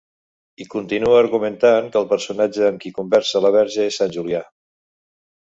I continua argumentant que el personatge amb qui conversa la Verge és Sant Julià.